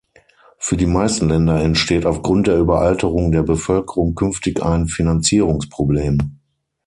Für die meisten Länder entsteht aufgrund der Überalterung der Bevölkerung künftig ein Finanzierungsproblem.